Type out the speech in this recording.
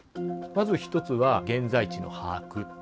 まず一つは現在地の把握といいます。